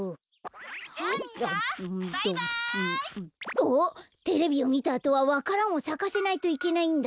あっテレビをみたあとはわか蘭をさかせないといけないんだった。